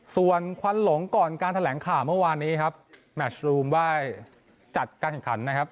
ส่วนควันหลงก่อนการแถลงข่าวเมื่อวานนี้ครับแมชรูมได้จัดการแข่งขันนะครับ